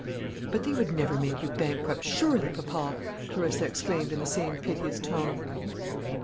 "But they would never make you bankrupt surely, papa;" Clarissa exclaimed in the same piteous tone.